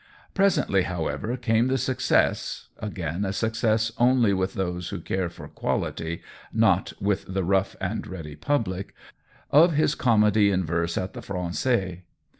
Presently, however, came the success (again a success only with those who care for quality, not with the COLLABORATION m rough and ready public) of his comedy in verse at the Frangais.